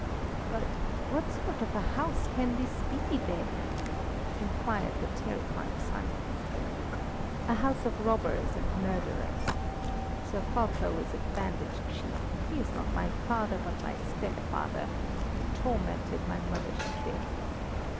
"But what sort of a house can this be, then?" inquired the terrified Simon. "A house of robbers and murderers. Sir Fulko is a bandit chief; he is not my father, but my step father, who tormented my mother to death.